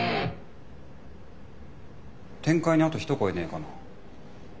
展開にあと一声ねえかな？